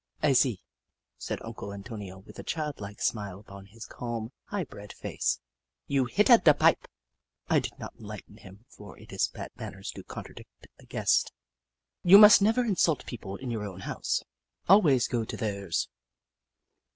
" I see," said Uncle Antonio, with a child like smile upon his calm, high bred face ;" you hitta da pipe." I did not enlighten him, for it is bad man ners to contradict a guest. You must never insult people in your own house — always go to theirs.